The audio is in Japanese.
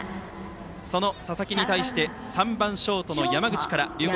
その佐々木に対して３番ショートの山口から龍谷